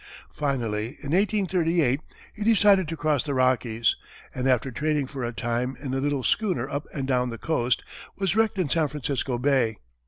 Finally, in 1838, he decided to cross the Rockies, and after trading for a time in a little schooner up and down the coast, was wrecked in San Francisco Bay.